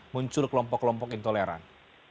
muncul kelompok kelompok intoleran